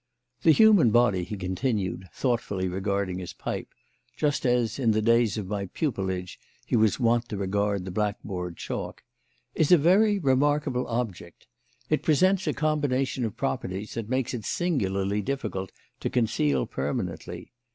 The human body," he continued, thoughtfully regarding his pipe, just as, in the days of my pupilage, he was wont to regard the black board chalk, "is a very remarkable object. It presents a combination of properties that makes it singularly difficult to conceal permanently.